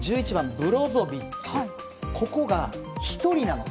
ブロゾビッチここが、１人なので。